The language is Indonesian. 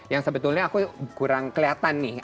yang sebetulnya aku kurang kelihatan nih